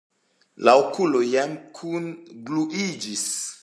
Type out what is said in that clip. La okuloj jam kungluiĝis.